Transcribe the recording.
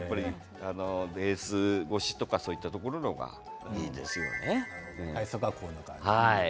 レース越しとかそういったところの方がいいですね。